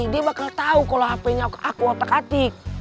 dia bakal tau kalau hpnya aku otak atik